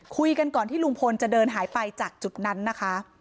คุยกันก่อนที่ลุงพลจะเดินหายไปจากจุดนั้นนะคะ